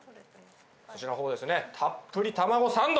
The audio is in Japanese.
そちらの方ですねたっぷりたまごサンド！